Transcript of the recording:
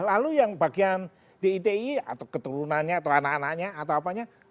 lalu yang bagian diti atau keturunannya atau anak anaknya atau apanya